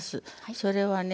それはね